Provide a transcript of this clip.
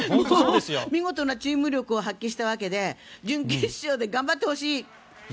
見事なチーム力を発揮したわけで準決勝で頑張ってほしい！